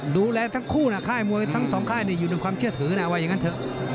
ดูแลทั้งคู่นะค่ายมวยทั้งสองค่ายอยู่ในความเชื่อถือนะว่าอย่างนั้นเถอะ